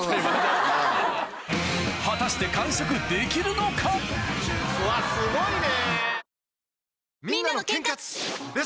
果たしてうわすごいね！